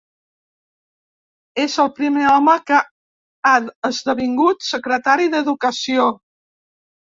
És el primer home que ha esdevingut secretari d'educació.